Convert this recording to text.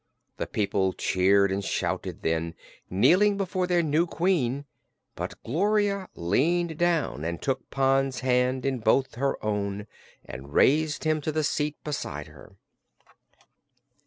The people cheered and shouted then, kneeling before their new Queen; but Gloria leaned down and took Pon's hand in both her own and raised him to the seat beside her.